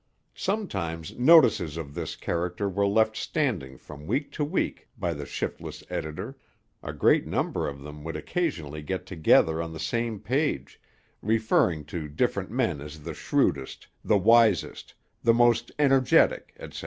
Sometimes notices of this character were left standing from week to week by the shiftless editor; a great number of them would occasionally get together on the same page, referring to different men as the shrewdest, the wisest, the most energetic, etc.